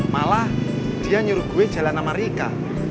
malah dia nyuruh gue jalan sama rika